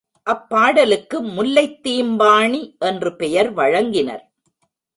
அப்பாடலுக்கு முல்லைத் தீம்பாணி என்று பெயர் வழங்கினர்.